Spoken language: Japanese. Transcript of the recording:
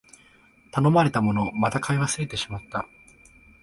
頼まれたもの、また買い忘れてしまった